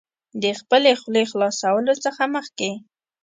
د خپلې خولې خلاصولو څخه مخکې